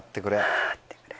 はあってくれ。